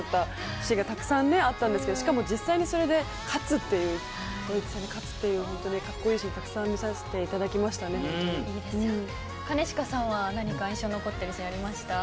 シーンがたくさんあったんですけど実際にそれで勝つというドイツ戦に勝つという、本当にかっこいいシーンをたくさん兼近さんは何か印象に残っているシーンはありましたか。